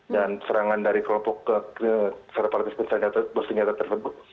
dan serangan dari kelompok separatis bersenjata tersebut